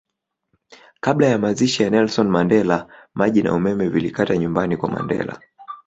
Kabla ya mazishi ya Nelson Mandela maji na umeme vilikata nyumbani kwa Mandela